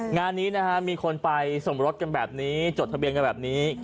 งานนี้นะฮะมีคนไปสมรสกันแบบนี้จดทะเบียนกันแบบนี้